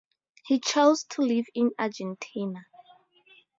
He choose to live in Argentina.